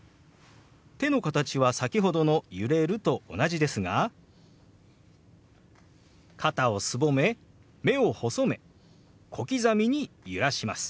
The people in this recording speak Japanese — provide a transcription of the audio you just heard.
手の形は先ほどの「揺れる」と同じですが肩をすぼめ目を細め小刻みに揺らします。